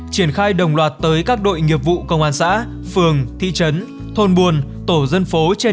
triển khai đồng loạt tới các đội nghiệp vụ công an xã phường thị trấn thôn buồn tổ dân phố trên